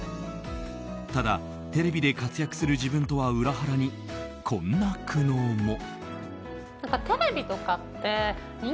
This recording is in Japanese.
ただ、テレビで活躍する自分とは裏腹にこんな苦悩も。